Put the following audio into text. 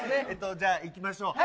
じゃあ、いきましょう。